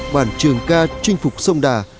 bản trường ca chinh phục sông đà